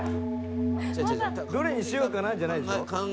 「どれにしようかなじゃないでしょ？」